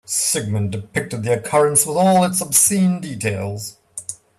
Sigmund depicted the occurrence with all its obscene details.